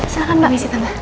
silahkan mbak michi tante